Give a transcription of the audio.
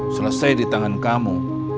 selesai di tangan kamu